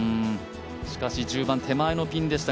しかし１０番、手前のピンでした。